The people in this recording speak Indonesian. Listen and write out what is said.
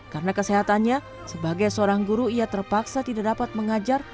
karena kesehatannya sebagai seorang guru ia terpaksa tidak dapat mengajar